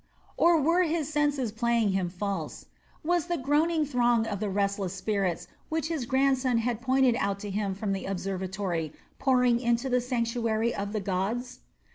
Or were his senses playing him false? Was the groaning throng of restless spirits which his grandson had pointed out to him from the observatory, pouring into the sanctuary of the gods?